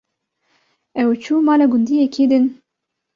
ew çû mala gundiyekî din.